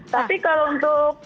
tapi kalau untuk